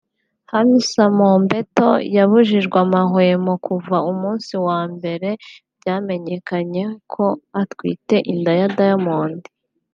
Hamisa Mobetto yabujijwe amahwemo kuva umunsi wa mbere byamenyekanye ko atwite inda ya Diamond